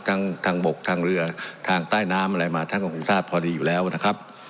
ทางบกทางเรือทางใต้น้ำอะไรมาท่านก็คงทราบพอดีอยู่แล้วนะครับ